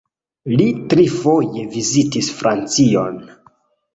Li trifoje vizitis Francion.